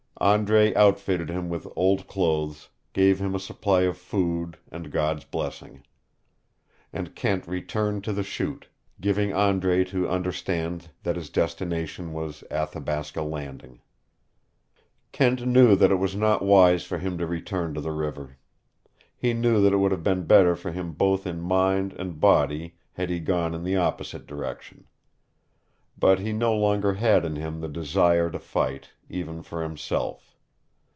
Andre outfitted him with old clothes, gave him a supply of food and God's blessing. And Kent returned to the Chute, giving Andre to understand that his destination was Athabasca Landing. Kent knew that it was not wise for him to return to the river. He knew that it would have been better for him both in mind and body had he gone in the opposite direction. But he no longer had in him the desire to fight, even for himself.